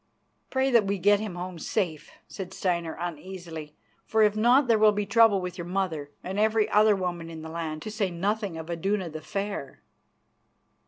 "Pray that we get him home safe," said Steinar uneasily, "for if not there will be trouble with your mother and every other woman in the land, to say nothing of Iduna the Fair."